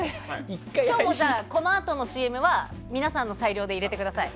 今日もこのあとのＣＭは皆さんの裁量で入れてください。